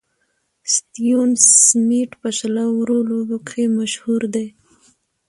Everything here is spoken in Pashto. ستيون سميټ په شل اورو لوبو کښي مشهوره ده.